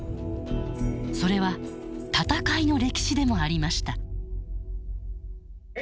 それは戦いの歴史でもありました。